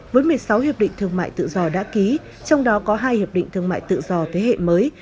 với một mươi sáu hiệp định thương mại tự do đã ký trong đó có hai hiệp định thương mại tự do thế hệ mới